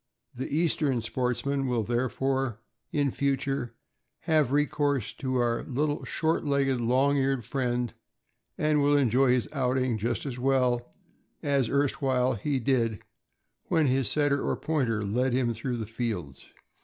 The Eastern sportsman will, therefore, in future, have recourse to our little short legged, long eared friend, and will enjoy his outing just as well as erstwhile he did when his Setter or Pointer led him through the fields.